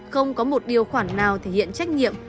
không có một điều khoản nào thể hiện trách nhiệm